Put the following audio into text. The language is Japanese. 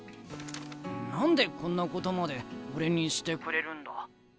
何でこんなことまで俺にしてくれるんだ？